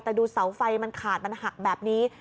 แต่ดูเสาไฟมันขาดมันหักแบบนี้